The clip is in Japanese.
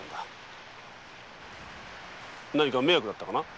何か迷惑だったかな？